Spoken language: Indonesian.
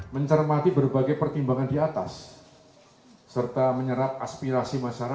mencermati berbagai pertimbangan di atas serta menyerap aspirasi masyarakat